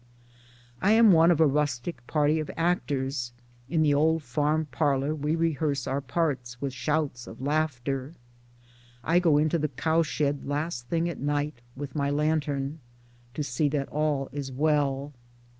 I am one of a rustic party of actors ; in the old farm parlor we rehearse our parts, with shouts of laughter. I go into the cowshed last thing at night with my lantern to see that all is well.